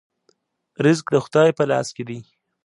رزق د خدای په لاس کې دی